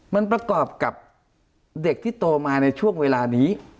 มันประกอบกับเด็กที่โตมาในช่วงเวลานี้